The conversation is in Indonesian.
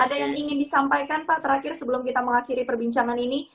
ada yang ingin disampaikan pak terakhir sebelum kita mengakhiri perbincangan ini